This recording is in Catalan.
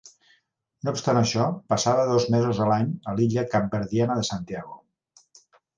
No obstant això, passava dos mesos de l'any a l'illa capverdiana de Santiago.